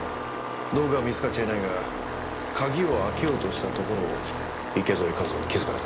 道具は見つかっちゃいないが鍵を開けようとしたところを池添一雄に気づかれたんだ。